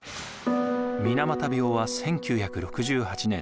水俣病は１９６８年